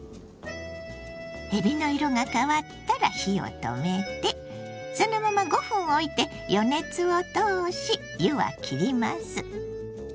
えびの色が変わったら火を止めてそのまま５分おいて余熱を通し湯はきります。